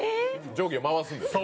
上下に回すんです。